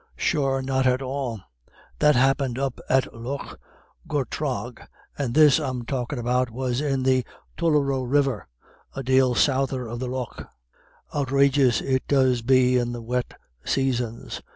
"Sure not at all: that happint up at Lough Gortragh, and this I'm talkin' about was in the Tullaroe River, a dale souther of the Lough. Outrageous it does be in the wet saisons.